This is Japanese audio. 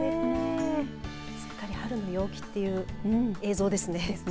すっかり春の陽気という映像ですね。